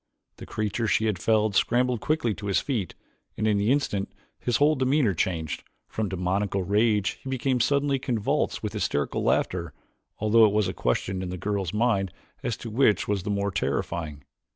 The creature she had felled scrambled quickly to his feet and in the instant his whole demeanor changed. From demoniacal rage he became suddenly convulsed with hysterical laughter although it was a question in the girl's mind as to which was the more terrifying.